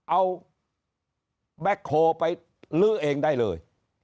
เอาแบ็คโฮลไปลื้อเองได้เลย